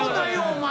お前。